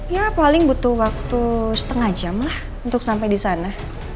ya paling butuh waktu setengah jam lah untuk sampai di sana